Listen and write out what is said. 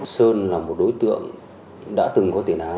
sơn là một đối tượng đã từng có tiền án